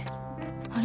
あれ？